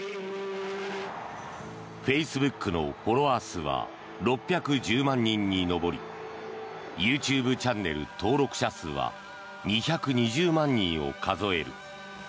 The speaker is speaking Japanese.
フェイスブックのフォロワー数は６１０万人に上りＹｏｕＴｕｂｅチャンネル登録者数は２２０万人を数える。